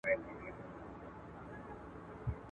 ښايي نوي دلایل د پخوانۍ نظریې خلاف وي.